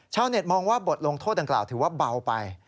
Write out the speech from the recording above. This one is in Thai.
มองว่าบทลงโทษดังกล่าวถือว่าเบาไป